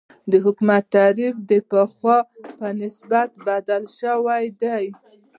د حکومت تعریف د پخوا په نسبت بدل شوی دی.